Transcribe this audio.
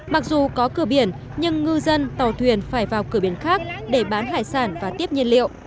mặc dù có cửa biển nhưng ngư dân tàu thuyền phải vào cửa biển khác để bán hải sản và tiếp nhiên liệu